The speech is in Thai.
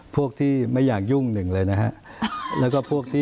พวกที่ไม่อยากยุ่งหนึ่งเลยนะฮะแล้วก็พวกที่